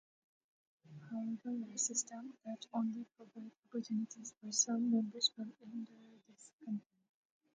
However, a system that only provides opportunities for some members will hinder discontent.